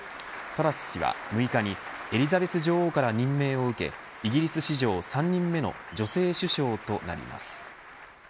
トラス氏は、６日にエリザベス女王から任命を受けイギリス史上３人目の女性首相となります。